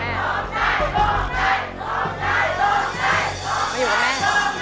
เมื่อไม้